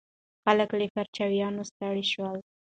خلک له پرچاوینو ستړي شول.